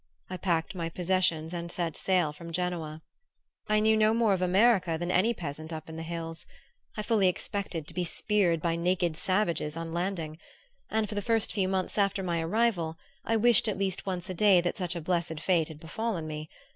I packed my possessions and set sail from Genoa. I knew no more of America than any peasant up in the hills. I fully expected to be speared by naked savages on landing; and for the first few months after my arrival I wished at least once a day that such a blessed fate had befallen me.